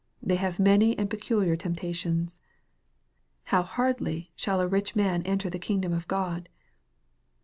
They have many and peculiar temptations. How hardly shall a rich man en ter the kingdom of God.